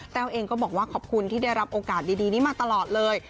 เองก็บอกว่าขอบคุณที่ได้รับโอกาสดีนี้มาตลอดเลย